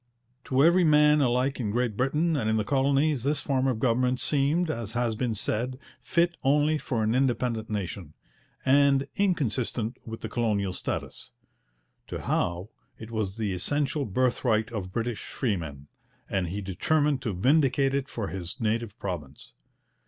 To every man alike in Great Britain and in the colonies this form of government seemed, as has been said, fit only for an independent nation, and inconsistent with the colonial status. To Howe it was the essential birthright of British freemen, and he determined to vindicate it for his native province.